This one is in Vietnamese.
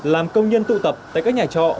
làm công nhân tụ tập tại các nhà trọ